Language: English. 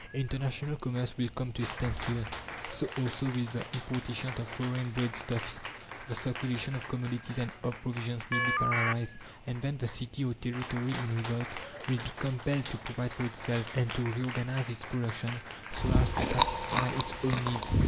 International commerce will come to a standstill; so also will the importation of foreign bread stuffs; the circulation of commodities and of provisions will be paralyzed. And then, the city or territory in revolt will be compelled to provide for itself, and to reorganize its production, so as to satisfy its own needs.